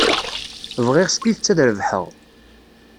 Bɣiɣ s tidet ad rebḥeɣ.